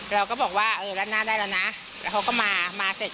เราก็บอกว่าเออรัดหน้าได้แล้วนะแล้วเขาก็มามาเสร็จ